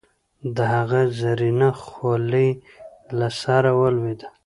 د هغه زرينه خولی له سره ولوېده.